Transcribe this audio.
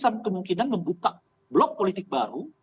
karena kemungkinan membuka blok politik baru